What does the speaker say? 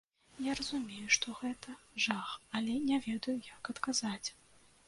Я разумею, што гэта жах, але не ведаю, як адказаць.